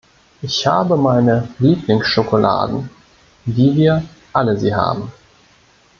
Ich habe meine Lieblingsschokoladen, wie wir alle sie haben.